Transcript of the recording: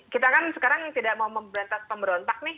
kita kan sekarang tidak mau memberantas pemberontak nih